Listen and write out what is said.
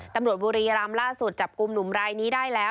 ตำรวจบุรีรำล่าสุดจับกลุ่มหนุ่มรายนี้ได้แล้ว